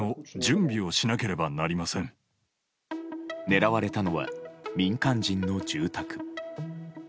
狙われたのは民間人の住宅。